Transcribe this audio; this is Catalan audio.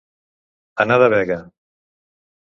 Anar de vega.